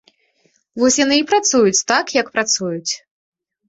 Вось яны і працуюць так, як працуюць.